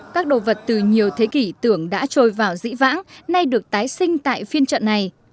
các đồ vật từ nhiều thế kỷ tưởng đã trôi vào dĩ vãng nay được tái sinh tại phiên trận này